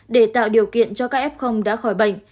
để tạo điều kiện cho các f đã khỏi bệnh